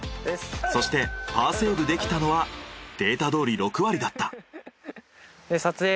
そしてパーセーブできたのはデータどおり６割だった。